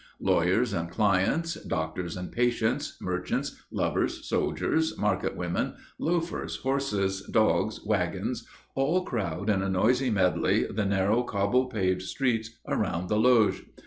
Lawyers and clients, doctors and patients, merchants, lovers, soldiers, market women, loafers, horses, dogs, wagons, all crowd in a noisy medley the narrow cobble paved streets around the Loge.